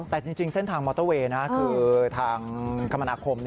แต่จริงเส้นทางมอเตอร์เวย์คือทางคมนาคม